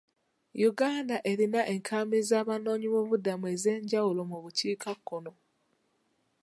Uganda erina enkambi z'abanoonyiboobubudamu ez'enjawulo mu bukkikakkono.